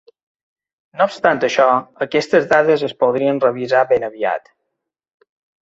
No obstant això, aquestes dades es podrien revisar ben aviat.